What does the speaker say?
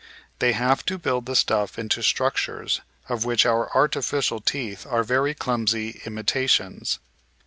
They have to build the stuff into structures of which our artificial teeth are very clumsy imitations.